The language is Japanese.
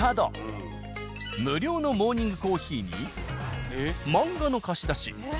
無料のモーニングコーヒーに漫画の貸し出し。